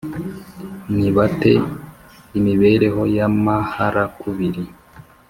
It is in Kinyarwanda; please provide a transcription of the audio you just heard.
Niba m te imibereho y amaharakubiri